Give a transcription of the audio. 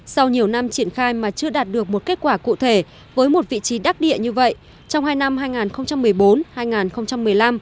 sau nhiều năm triển khai mà chưa đạt được một kết quả cụ thể với một vị trí đắc địa như vậy trong hai năm hai nghìn một mươi bốn hai nghìn một mươi năm